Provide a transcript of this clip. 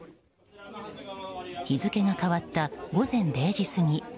日付が変わった午前０時過ぎ